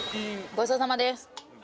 ごちそうさまでした。